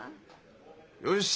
よし！